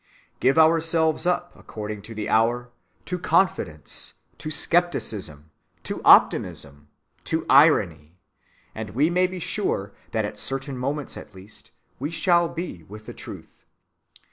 Give ourselves up, according to the hour, to confidence, to skepticism, to optimism, to irony, and we may be sure that at certain moments at least we shall be with the truth....